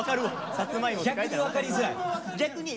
逆に分かりづらい。